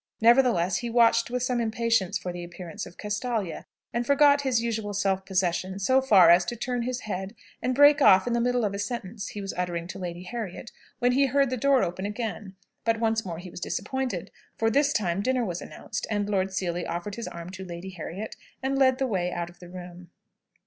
Nevertheless he watched with some impatience for the appearance of "Castalia;" and forgot his usual self possession so far as to turn his head, and break off in the middle of a sentence he was uttering to Lady Harriet, when he heard the door open again. But once more he was disappointed; for, this time, dinner was announced, and Lord Seely offered his arm to Lady Harriet and led the way out of the room.